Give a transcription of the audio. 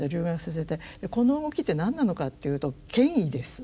この動きって何なのかっていうと「権威」です。